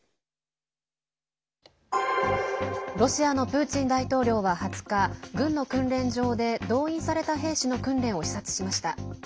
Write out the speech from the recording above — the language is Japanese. ロシアのプーチン大統領は２０日、軍の訓練場で動員された兵士の訓練を視察しました。